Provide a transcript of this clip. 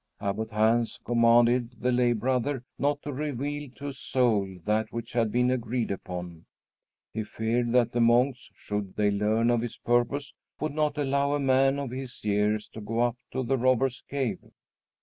Abbot Hans commanded the lay brother not to reveal to a soul that which had been agreed upon. He feared that the monks, should they learn of his purpose, would not allow a man of his years to go up to the Robbers' Cave.